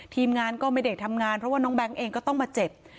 ทีมงานก็ไม่ได้ทำงานเพราะว่าน้องแบงค์เองก็ต้องมาเจ็บ